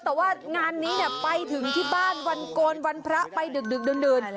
แต่ว่างานนี้ไปถึงที่บ้านวันโกนวันพระไปดึกดื่น